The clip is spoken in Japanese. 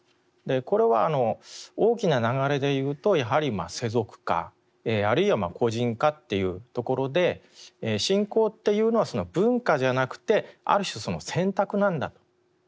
これは大きな流れでいうとやはり世俗化あるいは個人化っていうところで信仰っていうのは文化じゃなくてある種選択なんだと。